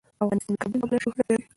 افغانستان د کابل له امله شهرت لري.